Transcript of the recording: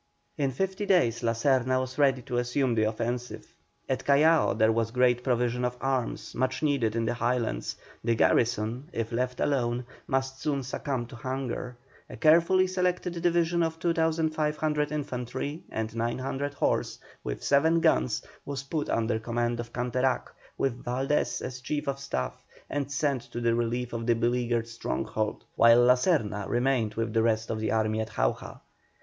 In fifty days La Serna was ready to assume the offensive. At Callao there was great provision of arms much needed in the Highlands; the garrison, if left alone, must soon succumb to hunger. A carefully selected division of 2,500 infantry and 900 horse, with seven guns, was put under command of Canterac, with Valdés as chief of the staff, and sent to the relief of the beleaguered stronghold, while La Serna remained with the rest of the army at Jauja.